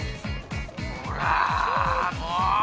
ほらもう。